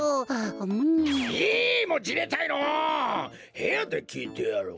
へやできいてやろう。